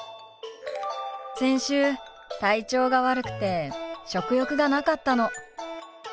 先週体調が悪くて食欲がなかったの。